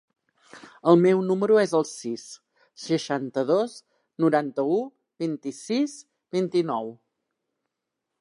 El meu número es el sis, seixanta-dos, noranta-u, vint-i-sis, vint-i-nou.